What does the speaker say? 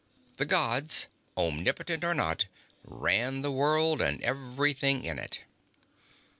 The Gods, omnipotent or not, ran the world and everything in it.